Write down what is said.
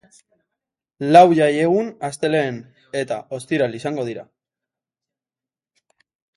Lau jaiegun astelehen eta ostiral izango dira.